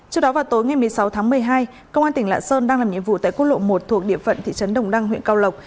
trước đó vào tối ngày một mươi sáu tháng một mươi hai công an tp cnh đang làm nhiệm vụ tại khu lộ một thuộc địa phận thị trấn đồng đăng huyện cao lộc